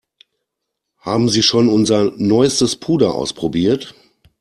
Haben Sie schon unser neuestes Puder ausprobiert?